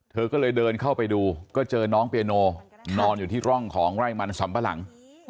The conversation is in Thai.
เธอก็เลยเดินเข้าไปดูก็เจอน้องเปียโนนอนอยู่ที่ร่องของไร่มันสำปะหลัง